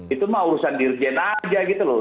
itu mah urusan dirjen aja gitu loh